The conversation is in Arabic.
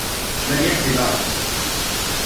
لم يأتِ بعد.